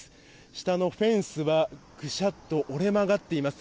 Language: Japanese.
下のフェンスはぐしゃっと折れ曲がっています。